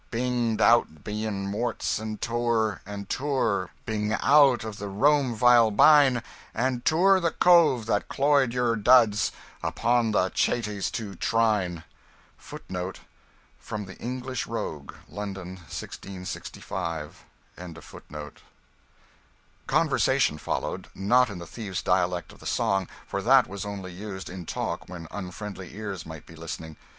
Bing'd out bien Morts and toure, and toure, Bing out of the Rome vile bine, And toure the Cove that cloy'd your duds, Upon the Chates to trine.' (From'The English Rogue.' London, 1665.) Conversation followed; not in the thieves' dialect of the song, for that was only used in talk when unfriendly ears might be listening.